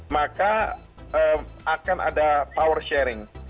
maka akan ada power sharing